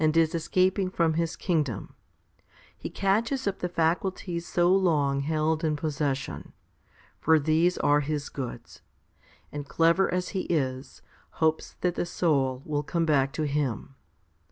xii. 6, 296 FIFTY SPIRITUAL HOMILIES is escaping from his kingdom, he catches up the faculties so long held in possession for these are his goods and, clever as he is, hopes that the soul will come back to him.